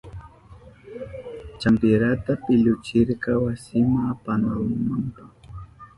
Champirata pilluchirka wasinma apamunanpa.